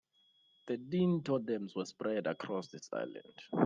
Thirteen totems were spread across this island.